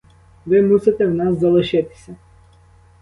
Ви мусите в нас залишитися.